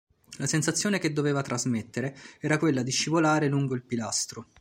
La sensazione che doveva trasmettere era quella di scivolare lungo il pilastro.